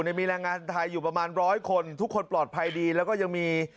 ยังมีแรงงานไทยอยู่ประมาณร้อยคนทุกคนปลอดภัยดีแล้วก็ยังมี